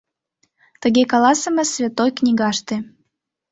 Тыге каласыме святой книгаште...